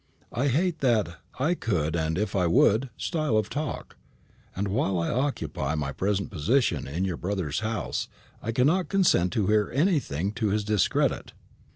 I hate that 'I could an if I would' style of talk, and while I occupy my present position in your brother's house I cannot consent to hear anything to his discredit."